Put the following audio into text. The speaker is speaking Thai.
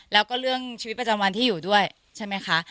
แล้วก็เรื่องชีวิตประจำวันที่อยู่ด้วยใช่ไหมคะ